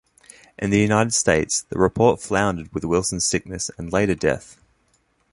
In the United States, the report floundered with Wilson's sickness and later death.